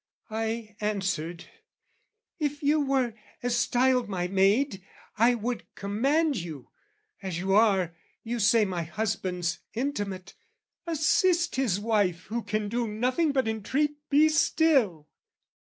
I answered, "If you were, as styled, my maid, "I would command you: as you are, you say, "My husband's intimate, assist his wife "Who can do nothing but entreat 'Be still!'